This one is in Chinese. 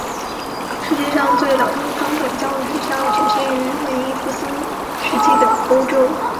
世界上最早的中等教育学校产生于文艺复兴时期的欧洲。